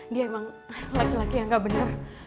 dia emang laki laki yang gak benar